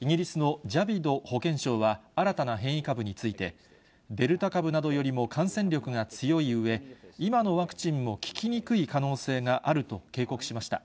イギリスのジャビド保健相は、新たな変異株について、デルタ株などよりも感染力が強いうえ、今のワクチンも効きにくい可能性があると警告しました。